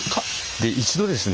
で一度ですね